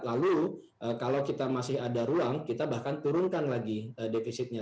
lalu kalau kita masih ada ruang kita bahkan turunkan lagi defisitnya